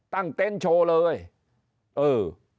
ตั้งเต้นโชว์เลยเออ